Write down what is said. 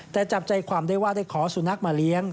แต่จับใจความได้ว่าได้ขอสุนัขมาเลี้ยง